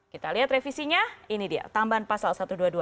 kita lihat revisinya ini dia tambahan pasal satu ratus dua puluh dua